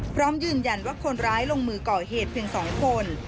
พร้อมยืนยันว่าคนร้ายลงมือก่อเหตุเพียง๒คน